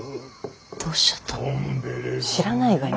どうしちゃったの。